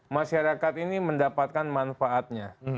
masyarakat ini mendapatkan manfaatnya